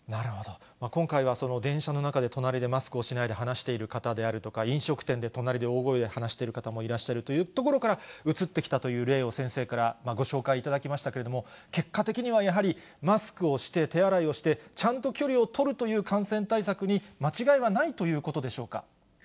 今回は電車の中で、隣でマスクをしないで話している方であるとか、飲食店で隣で大声で話している方もいらっしゃるというところから、うつってきたという例を、先生からご紹介いただきましたけれども、結果的にはやはり、マスクをして、手洗いをして、ちゃんと距離を取るという感染対策に間違いはないということでし